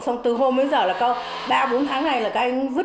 xong từ hôm đến giờ là có ba bốn tháng này là các anh vứt